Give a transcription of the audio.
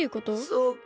そうか。